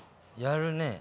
やるね。